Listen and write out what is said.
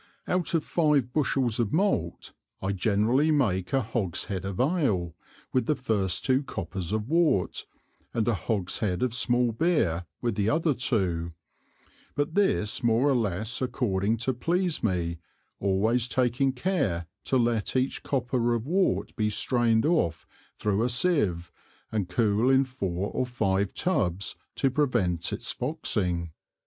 Out of five Bushels of Malt, I generally make a Hogshead of Ale with the two first Coppers of wort, and a Hogshead of small Beer with the other two, but this more or less according to please me, always taking Care to let each Copper of wort be strained off thro' a Sieve, and cool in four or five Tubs to prevent its foxing.